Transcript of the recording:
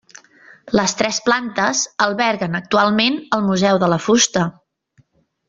Les tres plantes alberguen actualment el Museu de la Fusta.